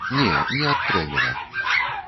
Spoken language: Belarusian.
Не, не ад трэнера.